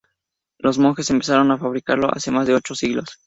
Los monjes empezaron a fabricarlo hace más de ocho siglos.